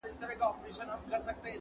يو درس اخلي په خپل ذهن